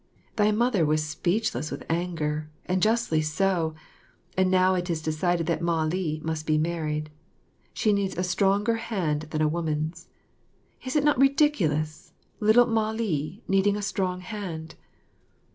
Thy Mother was speechless with anger, and justly so, and now it is decided that Mah li must be married. She needs a stronger hand than a woman's. Is it not ridiculous, little Mah li needing a strong hand?